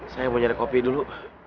saya mau jadi kopi dulu